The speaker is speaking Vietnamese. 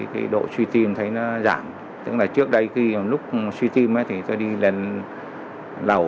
cái độ suy tim thấy nó giảm tức là trước đây lúc suy tim thì tôi đi lên lầu